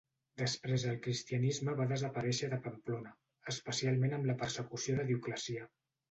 Després el cristianisme va desaparèixer de Pamplona, especialment amb la persecució de Dioclecià.